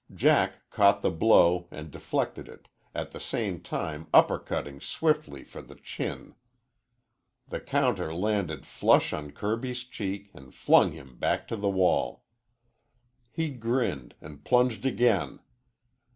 Jack caught the blow and deflected it, at the same time uppercutting swiftly for the chin. The counter landed flush on Kirby's cheek and flung him back to the wall. He grinned, and plunged again.